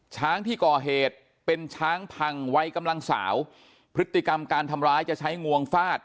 ช้างที่ก่อเหตุเป็นช้างพังวัยกำลังสาวพฤติกรรมการทำร้ายจะใช้งวงฟาด